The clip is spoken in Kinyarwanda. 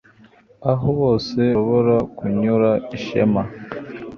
Aho bose bashobora kunyura ishema